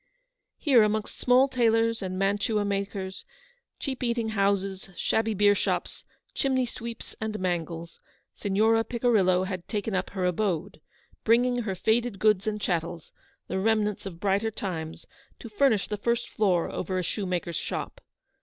Here, amongst small tailors and mantua makers, cheap eating houses, shabby beer shops, 200 chimney sweeps and mangles, Signora Picirillo had taken up her abode, bringing her faded goods and chattels, the remnants of brighter times, to furnish the first floor over a shoemaker's shop.